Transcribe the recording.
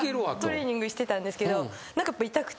トレーニングしてたんですけど何か痛くて。